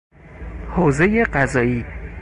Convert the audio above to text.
حوزهی قضایی